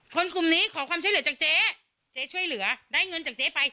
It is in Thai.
กลุ่มนี้ขอความช่วยเหลือจากเจ๊เจ๊ช่วยเหลือได้เงินจากเจ๊ไป